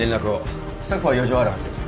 スタッフは余剰あるはずです。